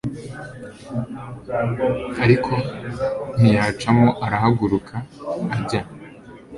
ariko ntiyacamo arahaguruka ajya